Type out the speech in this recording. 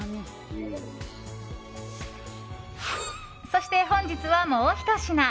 そして本日は、もうひと品。